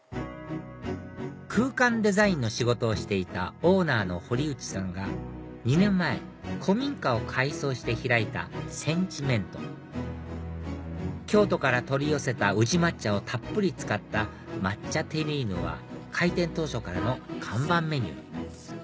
空間デザインの仕事をしていたオーナーの堀内さんが２年前古民家を改装して開いたｓｅｎｔｉｍｅｎｔ京都から取り寄せた宇治抹茶をたっぷり使った抹茶テリーヌは開店当初からの看板メニュー